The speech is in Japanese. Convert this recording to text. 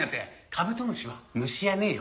カブトムシは虫やねえよ。